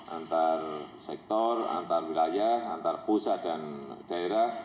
antar sektor antar wilayah antar pusat dan daerah